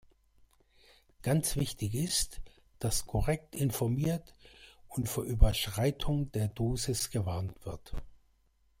Ganz wichtig ist, dass korrekt informiert und vor Überschreitung der Dosis gewarnt wird.